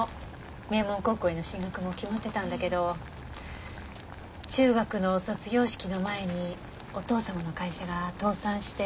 名門高校への進学も決まってたんだけど中学の卒業式の前にお父様の会社が倒産して。